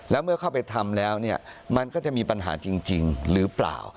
แล้วเมื่อเข้าไปทำแล้วเนี่ยมันก็จะมีปัญหาจริงหรือเปล่า